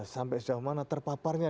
sampai sedang mana terpaparnya